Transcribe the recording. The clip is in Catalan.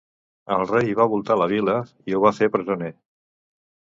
El rei va voltar la vila i ho va fer presoner.